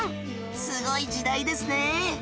すごい時代ですねえ